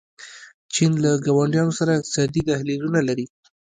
چین له ګاونډیانو سره اقتصادي دهلیزونه لري.